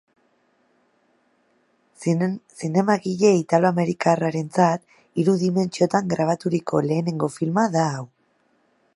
Zinemagile italoamerikarrarentzat hiru dimentsiotan grabaturiko lehenengo filma da hau.